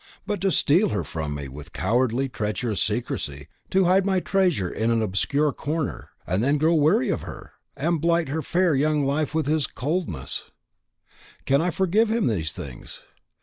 But to steal her from me with cowardly treacherous secrecy, to hide my treasure in an obscure corner, and then grow weary of her, and blight her fair young life with his coldness, can I forgive him these things?